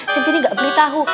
centini gak beli tahu